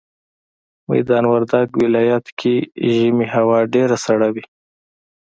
ميدان وردګ ولايت کي ژمي هوا ډيره سړه وي